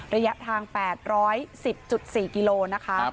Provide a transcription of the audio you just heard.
ระยะทาง๘๑๐๔กิโลนะคะ